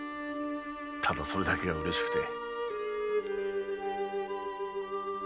ただそれだけが嬉しくて。